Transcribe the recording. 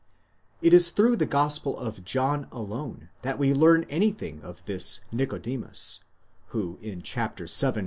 It is through the Gospel of John alone that we learn anything of this Nicodemus, who in vii.